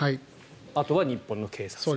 あとは日本の警察が。